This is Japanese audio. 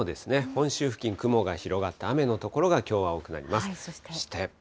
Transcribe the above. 本州付近、雲が広がって、雨の所がきょうは多くなります。